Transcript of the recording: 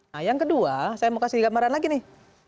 nah yang kedua saya mau kasih gambaran lagi nih